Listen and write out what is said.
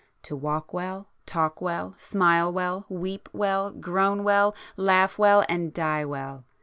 To walk well, talk well, smile well, weep well, groan well, laugh well—and die well!